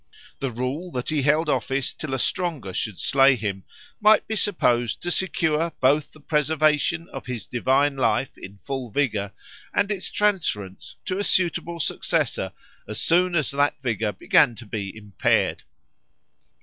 The rule that he held office till a stronger should slay him might be supposed to secure both the preservation of his divine life in full vigour and its transference to a suitable successor as soon as that vigour began to be impaired.